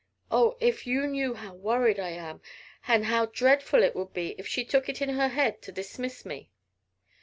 Oh! if you knew how worried I am! And how dreadful it would be if she took it into her head to dismiss me!"